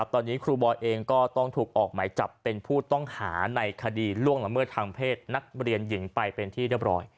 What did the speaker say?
ตอนนี้ครูบอยเองก็ต้องถูกออกหมายจับเป็นผู้ต้องหาในคดีล่วงละเมิดทางเพศนักเรียนหญิงไปเป็นที่เรียบร้อย